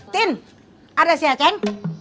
tin ada si achen